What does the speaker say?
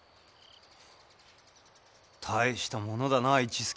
大したものだな市助！